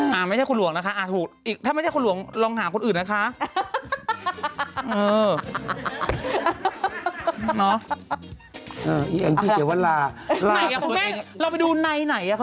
แปลว่าไม่ใช่ลูก